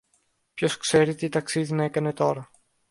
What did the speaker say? Ποιος ξέρει τι ταξίδι να έκανε τώρα